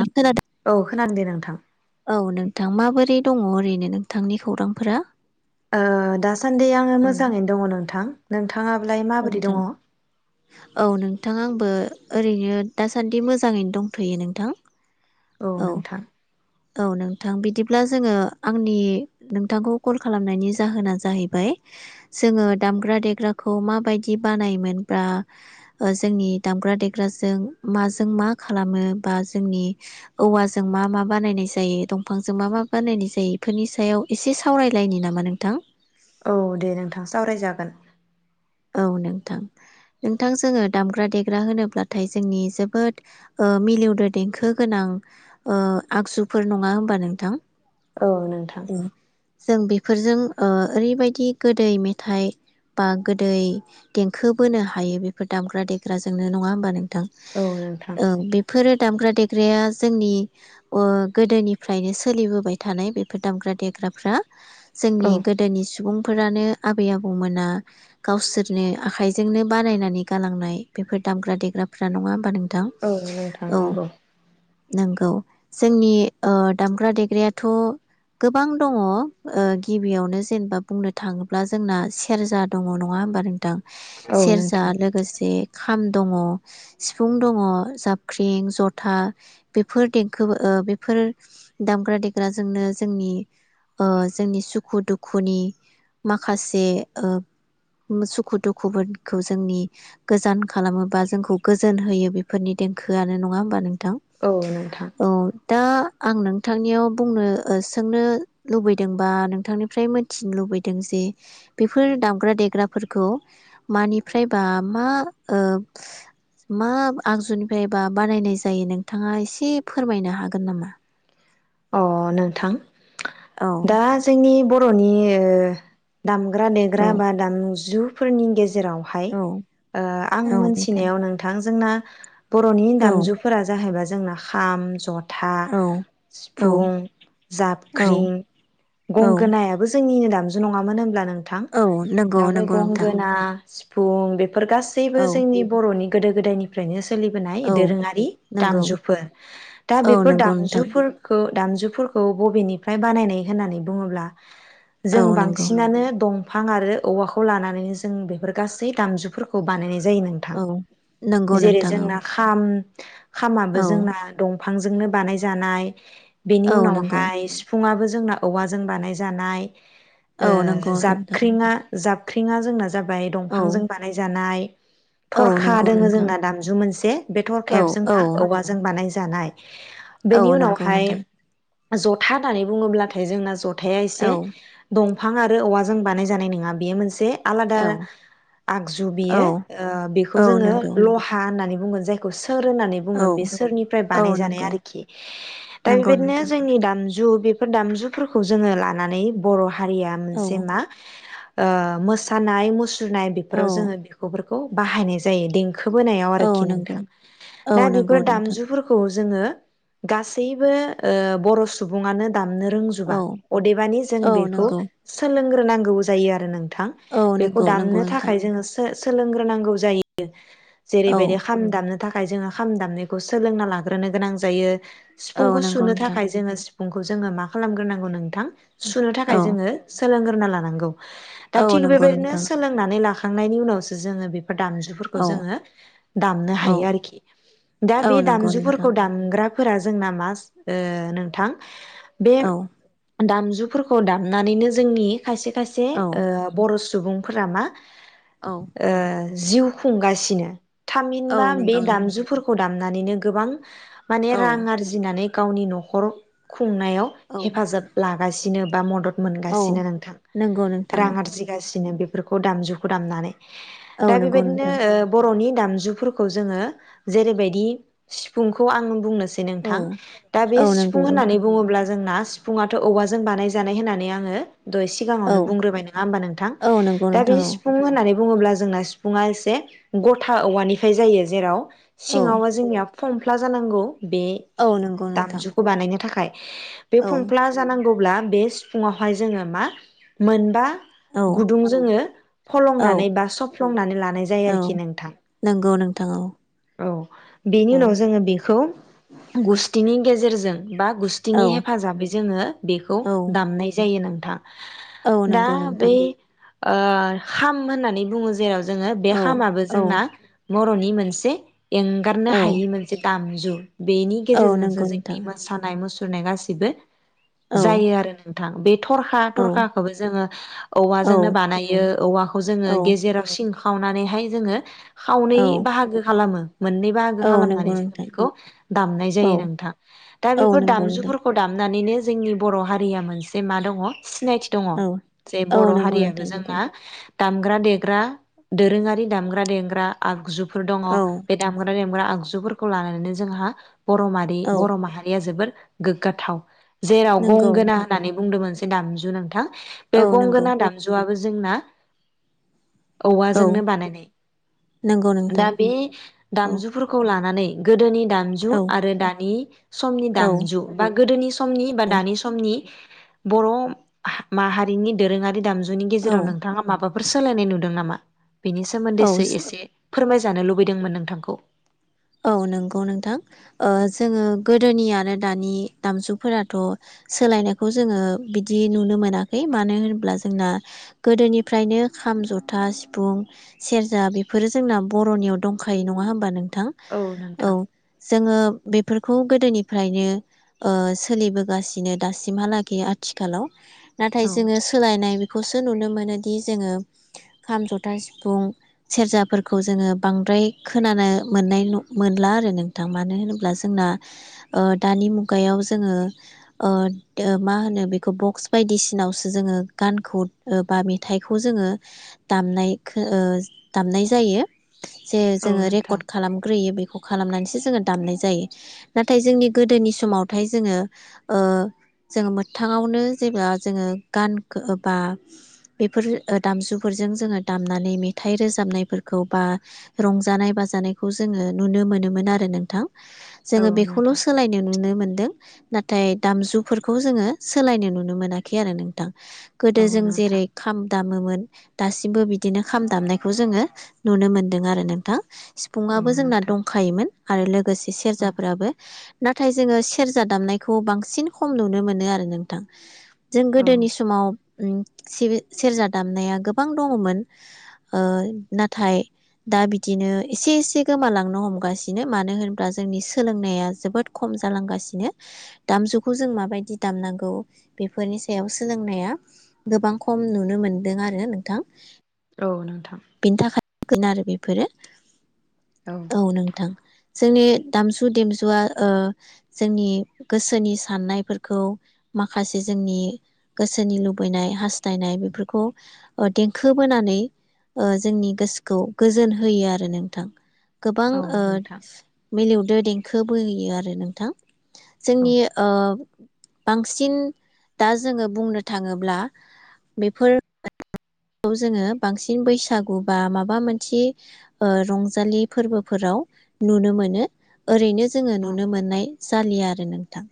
नों खोनादों औ खोनादों दे नोंथां औ नोंथां माबोरै दङ ओरैनो नोंथांनि खौरांफोरा ओ दासान्दि आङो औ मोजाङैनो दङ नोंथां नों औ नोंथां आंबो ओरैनो दासान्दि मोजाङैनो दंथ'यो नोंथां औ नोंथां औ नोंथां बिदिब्ला जोङो आंनि नोंथांखौ कल खालामनायनि जाहोना जाहैबाय जोङो दामग्रा देग्राखौ मा बायदि बानायोमोन बा जोंनि दामग्रा देग्राजों माजों मा खालामो बा जोंनि औवाजों मा मा बानायनाय जायो दंफांजों मा मा बानायनाय जायो बेफोरनि सायाव एसे सावरायलायनो नामा नोंथां औ दे नोंथां सावरायजागोन औ नोंथां नोंथां जोङो दामग्रा देग्रा होनोब्लाथाय जोंनि जोबोद ओ मिलौदो देंखो गोनां ओ आगजुफोर नङा होमबा नोंथां औ नोंथां फोरजों ओ ओरैबायदि गोदै मेथाइ बा गोदै देंखो बोनो हायो बेफोर दामग्रा देग्राजोंनो नङा होमबा नों थां औ नोंथां ओं बेफोरो दामग्रा देग्राया जोंनि ओ गोदोनिफ्रायनो सोलिबोबाय थानाय बेफ बे दामग्रा देग्राफ्रा जोंनि औ गोदोनि सुबुं फोरानो आबै आबौमोना गावसोरनो आखाइजोंनो बानायनानै गालांनाय बेफोर दामग्रा देग्राफोरा नङा होमबा नों थां औ नोंथां औ नंगौ नोंगौ जोंनि ओ दामग्रा देग्रायाथ गोबां दङ ओ गिबियावनो जेनेबा बुंनो थाङोब्ला जोंना सेरजा दङ नङा होमबा नों थां औ सेरजा नोंथां लोगोसे खाम दङ, सिफुं दङ, जाबख्रिं, जथा बेफोर देंखो ओ बेफोर दामग्रा देग्राजोंनो जोंनि ओ जोंनि सुखु दुखुनि माखासे ओ सुखु दुखुफोरखौ जोंनि गोजान खालामोबा जोंखौ गोजोन होयो बेफोरनि देंखोआनो नङा होमब नों औ नोंथां दा आं नोंथांनियाव बुंनो ओ सोंनो लुबैदों बा नोंथांनिफ्राय मोनथिनो लुबैदों जे बेफोर दामग्रा देग्राफोरखौ मानिफ्रायबा मा ओ मा आगजुनिफ्रायबा बानायनाय जायो नोंथाङा एसे फोरमायनो हागोन नामा अ नोंथां औ दा जोंनि बर र'नि ओ दामग्रा औ देग्रा बा दामजु फोरनि गेज जेरावहाय औ ओ आं मोनथिनायाव नोंथां जोंना [inaudible] बर'नि औ दामजुफोरा जाहैबाय जोंना खाम, जथ था औ औ सिफुं, औ जाबख्रिं, औ गंगोनायाबो जों निनो दामजु नङामोन होनब्ला नों थां। औ नंगौ दा बे नंगौ नोंथां गंगोना सि फुं बे फोर गासैबो औ जोंनि बर'नि गोदो गोदायनिफ्रायनो सोलिबोनाय औ दोरोङारि नंगौ दामजुफोर। दा औ बेफोर नंगौ नोंथां दामजुफोर दामजुफोरखौ बबेनिफ्राय बानायनाय होननानै बुङोब्ला औ जों नंगौ बांसिनानो दं फां आरो औवाखौ लानानैनो जों बेफोर गासै दामजुफोरखौ बानायनाय जायो नोंथां औ नंगौ जेरै नोंथां औ जोंना खाम खामाबो औ जोंना दं फांजोंनो बानायजानाय बेनि औ नंगौ उनावहाय सिफुंआबो जोंना औवाजों बानाय जानाय ओ औ नंगौ नोंथां जाबख्रिङा जाबख्रिङा जोंना जाबाय दंफांजों औ बानायजानाय औ थरखा नंगौ दोङो नोंथां जोंना दामजु मोनसे बे औ थरखायाबो जोंना औ औवाजों बानाय जानाय। बेनि उनाव गौ नोंथां। ज'था होननानै बुङोब्लाथाय जोंना ज'थ थाया एसे औ दं फां आरो औवाजों बानायजानाय नोङा। बेयो मोनसे आलादा औ आगजु औ बेयो ओ बेखो औ जोङो नंगौ ल'हा होननानै बुंगोन जायखौ सोर होननानै औ बुङो बे सोरनिफ्राय औ बानायजानाय नंगौ आरोखि। दा नंगौ बेबायदिनो नोंथां जोंनि दा दामजु बेफोर दामजुफोरखौ जोङो लानानै बर' हारिया मोनसे औ मा? ओ मोसानाय मुस सुनाय औ बेफोराव जोंङो बेखौफोर बाहायनाय जायोें दें खोबोनायाव औ आरोखि नंगौ नोंथां औ दा बेफोर नंगौ नोंथां दामजुफोरखौ जोंङो गासै बयबो ओ बर सुबङानो दामनो रोंजोबा औ अदेबानि जों औ बेखौ नंगौ सोलों रोंग्रोनांगौबो जायो आरो। थां औ बेखौ नंगौ नंगौ दामनो नोंथां थाखाय जों सोर सोलोंग्रोनांगौ जायो जेरै औ बेरै खाम थाखाय जोंङो खाम दामनायखौ सोलोंना लाग्रोनो गोनां जायो औ सिफुंखौ नंगौ सुनो नोंथां थाखाय जोंङो सि फुंखौ जोंङो मा खालामग्रोनांगौ नोंथां सुनो थाखाय औ जोंङो सोलों ग्रोना लानांगौ दा औ थिग नंगौ बेबायदिनो नोंथां सोलोंनानै लाख थांनायनि उनावसो जोंङो बे फोर दामजुफोरखौ औ जोंङो दामनो हायो औ आरोखि दा औ बे नंगौ नोंथां दामजुफोरखौ दामग्रा फोरा जोंना मा ओ नोंथां बे औ दामजुफोरखौ दामनानैनो जोंनि खायसे खायसे औ ओ बर' सुबुं फोरा मा ओ जिउ खुंगासिनो औ थामिनबा बे नंगौ नोंथां दामजुफोरखौ दाम नानैनो गोबां माने औ रां आर नानै गावनि न'खर खुंनायाव औ हेफाजाब लागासि नो बा मदद औ मोनगासिनो नोंथां नंगौ नोंथां रां आरजिगासिनो बे फोरखौ दामजुखो दामना औ दा औ नंगौ बेबायदिनो नोंथां ओ बर'नि दामजुफोरखौ जोङो जेरैबादि सिफुंखौ आङो बुंनोसै दि नोंथां औ दा बे औ नंगौ सिफुं होननानै नोंथां बुङोब्ला जोंना सिफुङाथ' औवाजों बानायजानाय होनानै आङो दहै सिगाङावनो औ बुंग्रोबाय नोङा होमबा नोंथां औ नंगौ दा बे नोंथां सिफुं होननानै बुङोब्ला जोंना सिफुुंआ एसे गथा औवानिफ्राय जायो जेराव औ सिङावबा जोंनिया फमफ्ला जानांगौ बे औ औ नंगौ नोंथां दामजुखो बानायनो थाखाय बे फंफ्ला औ जानांगौब्ला बे सिफुुङावहाय जोङो मा मोनबा औ गुदुं जोङो फलंनानै औ बा सफ्लंनानै लानाय जायो औ आरोखि नोंथां। नंगौ नोंथां औ। औ बेनि उनाव जोङो बेखौ गुस्थिनि गेजेरजों। बा गुस्थिनि औ हेफाजाबै जोङो बेखौ औ दामनाय जायो नों औ दा नंगौ बेै नोंथां ओ खाम होननानै बुङो जेराव जोङो बे औ खामाबो औ जोंना बर'नि मोनसे। एंगारनो औ हायि मोनसे दाम जु बेनि औ गेजेरजोंसो नंगौ नोंथां जोंनि मोसानाय मुसु नाय गासिबो औ जायो आरो नोंथां बे थरखा औ थरखाखौबो जोङो औ औवाजोंनो बानायो औवाखौ जोङो औ गेजेराव सिं खावनानैहाय जोङो खावनै बाहागो। खालामो। मोननै बाहागो औ खालामनानै नंगौ जोङो नोंथां बेखौ दामनाय जायो औ नोंथां दा औ बेफोर नंगौ नोंथां दामजुफोरखौ दामनानैनो जोंनि बर' हारिया मोनसे मा दङ। सिनायथि दङ औ जे औ बर' नंगौ हारियाबो नोंथां नंगौ जोंना दामग्रा देग्रा दोरोङारि दामग्रा देग्रा आगजुफोर। औ बे दामग्रा देग्रा आगजु आगजुफोरखौ लानानैनो जोंहा। बर'मारि औ बर' माहारिया जोबोर गोग्गाथाव। जेराव नंगौ गंगोना नोंथां होननानै बुंदोंमोन जे ए दामजु नोंथां। बे औ नंगौ गंगोना दामजुआबो जे जोंना। औ औवाजोंनो नंगौ बानायनाय नोंथां दा बे औ दामजुफोरखौ लानानै गोदोनि दामजु औ आरो दानि समनि औ दामजु बा गोदोनि समनि बा दानि समनि बर' माहारिनि दोरोङारि दामजु जुनि औ गेजेराव नोंथाङा माबाफ फोर सोलायनाय नुदों नामा? बेनि औ सोमोन्दैसो इसे फोरमाय जानो लुब बैदोंमोन नोंथांखौ औ नंगौ नोंथां ओ जोङो गोदोनियानो दानि दामजुफोराथ' सोलायनायखौ जोङो बिदि नुनो मोनाखै मानो होनोब्ला जोंना गोदोनिफ्रायनो खाम जथा सिफुं सेरजा बेफोरो जोंना बर'नियाव दंखायो नङा होनोमबा नोंथां? औ जोङो बेफ फोरखौ गोदोनिफ्रायनो ओ सोलिबोगासिनो दासिमहालागै आथिखालाव नाथाय औ जोङो सोलायनाय बेफ खौसो नुनो मोनोदि जोङो खाम जथा सिफुं सेरजाफोरखौ जोङो बांद्राय खोनानो मोननाय न मोनला आरो नोंथां मानो होनोब्ला जोंना ओ दानि मुगायाव जोङो ओ दो मा होनो बेखौ बक्स बायदिसिनावसो जोङो गानखौ बा मेथाइखौ जोङो दामनाय खो ओ दामनाय जायो। जे औ जोङो नोंथां रेकर्ड खालाम यि बेखौ खालामनानैसो जोङो दामनाय जायो नाथाय जोंनि गोदोनि समावथाय जोङो ओ जोङो मोगथाङावनो जेबा गानखौ बा बेफोर ओ दामजोफोरजों जोङो दामनानै मेथाय रोजाबनायफोरखौ बा रंजानाय बाजानाय खौ जोङो नुनो मोनोमोन आरो नोंथां औ जोङो बेखौल' नोंथां सोलायनो नुनो मोनदों। नाथाय दामजुफोरखौ जोङो सोलायनो नुनो मोनाखै आरो नोंथां। गोदो औ जों नोंथां जेरै खाम दामोमोन दासिमबो बिदिनो खाम दामनायखौ जोङो नुनो मोनदों आरो नोंथां। औ सिफुंआबो जोंना नोंथां दंखायोमोन। आरो लोगोसे औ सेरजाफोराबो नाथाय जोङो सेरजा दामनाय खौ बांसिन खम नुनो मोनो आरो नोंथां जों औ गोदोनि समाव उम सिबि-सेरजा दामनाया गोबां दङमोन ओ नाथाय दा बिदिनो एसे-एसे गोमालांनो हमगासिनो मानो होनोब्ला जोंनि सोलोंनाया जोबोद खम जालांगासिनो दामजुखौ जों माबायदि दामनांगौ बेफोरनि सायाव सोलोंनाया गोबां खम नुनो मोनदों आरो नोंथां औ नोंथां गोन आरो बेफोरो औ नोंथां जोंनि दामजु देमजुआ ओ जोंनि गोसोनि साननायफोरखौ माखासे जोंनि गोसोनि लुबैनाय हास्थायनाय बेफोरखौ देंखो बोनानै ओ जोंनि गोसोखौ गोजोन होयो आरो नों थां गोबां औ ओ नोंथां मिलौ दो देंखो बोयो आरो नोंथां औ जोंनि ओ बांसिन दा जोङो बुंनो थाङोब्ला बेफोर जोङो बांसिन बैसागु बा माबा मोनसे ओ रं जालि फोरावनो नुनो मोनो ओरैनो जोङो अ नुनो मोननाय जालिया आरो नोंथां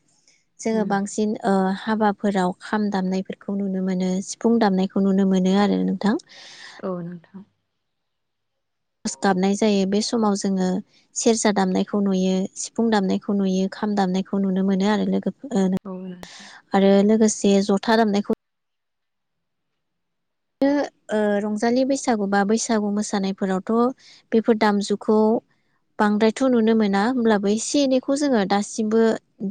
जोङो उम बांसिन ओ हाबाफोराव खाम दामनायफोरखौ नुनो मोनो सिफुं दामनायखौ नुनो मोनो आरो नोंथां औ गाबनाय जायो बे समाव जोङो सेरजा दामनायखौ नुयो सिफुं दामनायखौ नुयो खाम दामनायखौ नुनो मोनो आरो लोगो ओ औ नोंथां आरो लोगोसे जे जथा दामनायखौ बि रंजालि बैसागु बा बैसागु मोसानायफोरावथ' बेफोर दामजुखौ बांद्रायथ' नुनो मोना होमब्लाबो एसे एनैखौ जोङो दासिमबो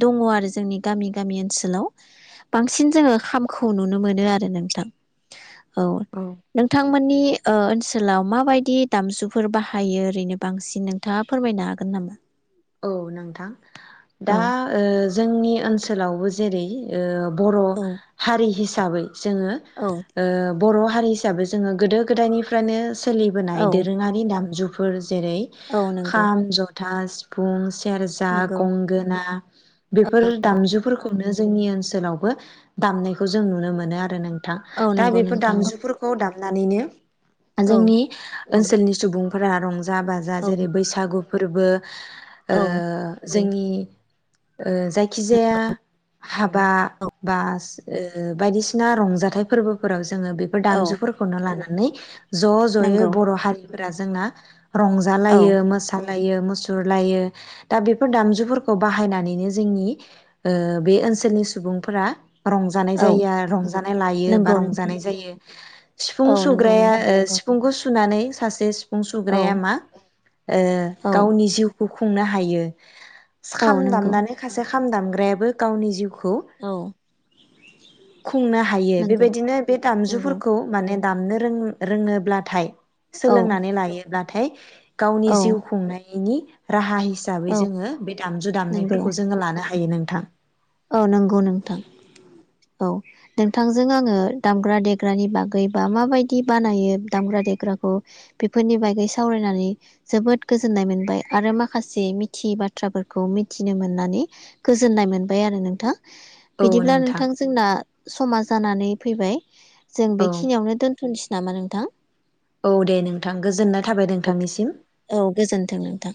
दङ आरो जोंनि गामि गामि ओनसोलाव बांसिन जोङो खामखौ नुनो मोनो आरो नोंथां औ नोंथांमोननि ओनसोलाव माबायदि दामजुफोर बाहायो ओरैनो बांसिन नोंथाङा फोरमायनो हागोन नामा औ नोंथां औ दा ओ जोंनि ओनसोलावबो जेरै ओ बर' औ हारि हिस साबै जोङो औ ओ बर' हारि हिसाबै जोङो गोदो गोदायनिफ्रायनो सोलिबोनाय औ दोरोङारि दामजु फोर जेरै नंगौ खाम ज था सिफ फुं सि सेरजा नंगौ गंगोना बेफोर दामजुफोरखौ खौनो जोंनि ओनसोलावबो दामनायखौ जों नुनो मोनो आरो नों थां औ दा नंगौ बेफोर नोंथां दामजुफोरखौ दाम लानानैनो औ जोंनि ओनसोलनि सुबुंफोरा रंजा जा बाजा औ जेरै बैसागु फोरबो ओ औ जोंनि ओ जायखिजाया हाबा औ बा ओ बायदिसिना रंजाथाइ फोरबोफोराव जों जोङो बेफोर औ दामजुफोरखौनो लाना नै ज' ज'यै नंगौ बर' हारि फोरा जोंना औ रंजालायो मोसा लायो मुसुर लायो दा बेफोर दामजुफोरखौ बाहायनानैनो जोंनि ओ बे ओनसोलनि सुबुंफोरा रंजानाय औ जायो रंजानाय लायो बा नंगौ नोंथां रंजानाय जायो सिफुं औ नंगौ सुग्राया नोंथां ओ सिफुंखौ सु सुनानै सासे सिफु सिफुं औ सुग्राया मा ओ औ गावनि जिउ खौ खुंनो हायो। औ खाम नंगौ दामनानै खासे खाम दामग्रायाबो गावनि जिउखौ खौ औ खुंनो हायो नंगौ बेबायदिनो बे नंगौ दामजुफोरखौ माने दामनो रों रोङोब्लाथाय औ सोलोंनानै लायोब्लाथाय गावनि औ जिउ खुंनायनि राहा सि हिसाबै औ जोङो बे दामजु नंगौ दामनायफोरखौ जोङो लानो हायो नों थां औ नंगौ नोंथां औ नोंथांजों आङो दामग्रा-देग्रानि बागै बा माबायदि बानायो दामग्रा-देग्राखौ बेफोरनि बागै सावरायनानै जोबोद गोजोननाय मोनबाय आरो माखासे मिथियै बाथ्राफोरखौ मिथिनो मोननानै गोजोननाय मोन। बाय आरो नोंथां। बिदिब्ला नोंथां जोंना। समा जानानै फैबाय। जों औ बेखिनियावनो दोन। थनोसै नामा नोंथां? औ दे नोंथां गोजोननाय थाबाय नोंथांनिसिम। औ गोजोन्थों नोंथां